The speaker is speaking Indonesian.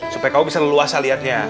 supaya kamu bisa leluasa lihatnya